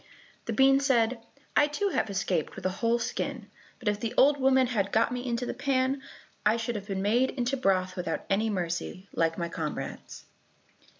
The bean said, "I too have escaped with a whole skin, but if the old woman had got me into the pan, I should have been made into broth without any mercy, like my comrades."